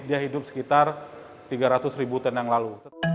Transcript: dia hidup sekitar tiga ratus ribu tenang lalu